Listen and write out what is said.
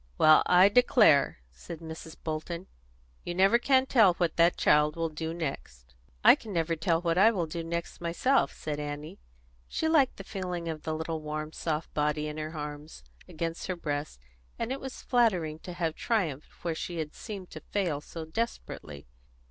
"Well, I declare!" said Mrs. Bolton. "You never can tell what that child will do next." "I never can tell what I will do next myself," said Annie. She liked the feeling of the little, warm, soft body in her arms, against her breast, and it was flattering to have triumphed where she had seemed to fail so desperately.